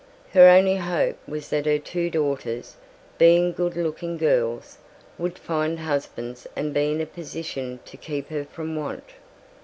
Her only hope was that her two daughters, being good looking girls, would find husbands and be in a position to keep her from want.